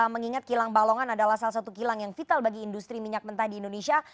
mengingat kilang balongan adalah salah satu kilang yang vital bagi industri minyak mentah di indonesia